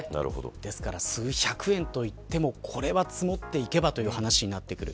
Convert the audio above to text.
ですから、数百円といっても積もっていけばという話になってくる。